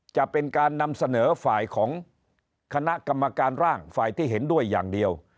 จะเป็นการนำเสนอฝ่ายของคณะกรรมการร่างฝ่ายที่เห็นด้วยอย่างเดียว